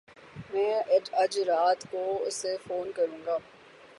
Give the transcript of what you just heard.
میں اج رات کو اسے فون کروں گا۔